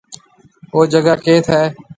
او جگھا ڪيٿ هيَ؟